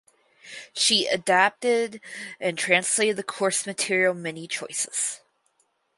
She adapted and translated the course material "Many Choices".